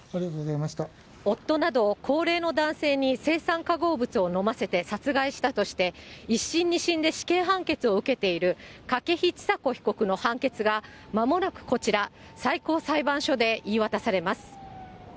夫など、高齢の男性に青酸化合物を飲ませて殺害したとして、１審、２審で死刑判決を受けている筧千佐子被告の判決が、まもなくこちら、最高裁判所で言い渡されます。